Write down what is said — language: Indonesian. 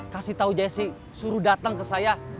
kasih tau jesse suruh dateng ke saya